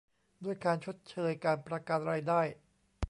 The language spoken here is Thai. ด้วยการชดเชย การประกันรายได้